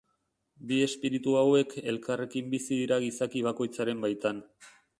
Bi espiritu hauek elkarrekin bizi dira gizaki bakoitzaren baitan.